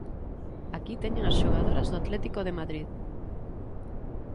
Aquí teñen as xogadoras do Atlético de Madrid.